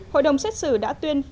hội đồng xét xử đã tuyên